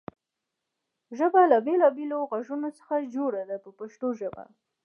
ژبه له بېلابېلو غږونو څخه جوړه ده په پښتو ژبه.